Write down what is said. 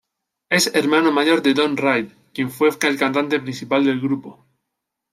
Es hermano mayor de Don Reid, quien fue el cantante principal del grupo.